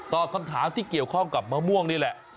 คำถามที่เกี่ยวข้องกับมะม่วงนี่แหละ